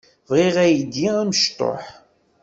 Bɣiɣ aydi amecṭuḥ.